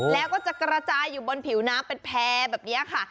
แล้วก็จะกระจายอยู่บนผิวน้ำเป็นแพร่แบบนี้ค่ะ